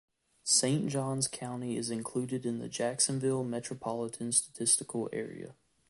Saint Johns County is included in the Jacksonville Metropolitan Statistical Area.